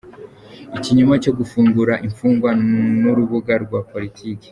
Ikinyoma cyo gufungura infungwa n’urubuga rwa politiki